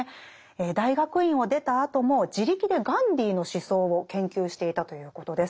大学院を出たあとも自力でガンディーの思想を研究していたということです。